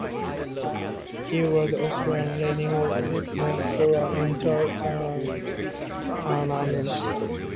He was Australia's leading runscorer in the tournament.